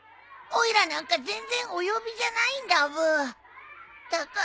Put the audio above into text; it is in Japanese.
おいらなんか全然お呼びじゃないんだブー。